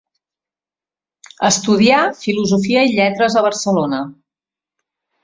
Estudià Filosofia i Lletres a Barcelona.